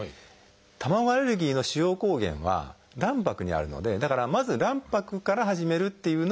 卵アレルギーの主要抗原は卵白にあるのでだからまず卵白から始めるっていうのも一つ手ですね。